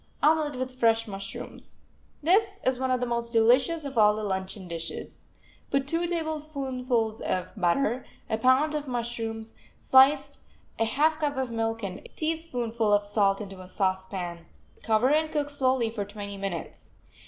OMELET WITH FRESH MUSHROOMS This is one of the most delicious of all the luncheon dishes. Put two tablespoonfuls of butter, a pound of mushrooms, sliced, a half cup of milk and a teaspoonful of salt into a saucepan. Cover and cook slowly for twenty minutes.